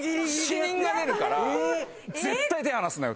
「死人が出るから手ぇ離すなよ」？